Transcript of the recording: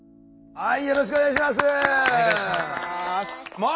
はい。